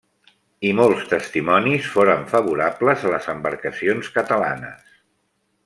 I molts testimonis foren favorables a les embarcacions catalanes.